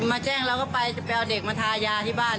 มาแจ้งเราก็ไปจะไปเอาเด็กมาทายาที่บ้าน